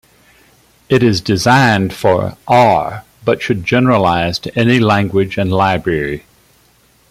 It is designed for R but should generalize to any language and library.